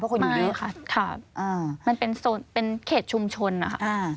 เพราะคนอยู่นี้ค่ะมันเป็นโซนเป็นเขตชุมชนค่ะอ่าอ่า